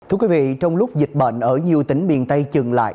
thưa quý vị trong lúc dịch bệnh ở nhiều tỉnh miền tây chừng lại